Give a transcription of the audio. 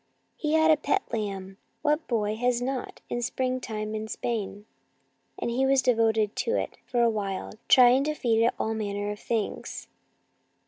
He had a pet lamb — what boy has not in spring time in Spain ?— and he was devoted to it for awhile, trying to feed it all manner of things.